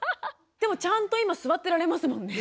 でもちゃんと今座ってられますもんね。